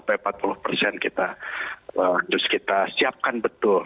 rp tiga puluh empat puluh persen kita harus kita siapkan betul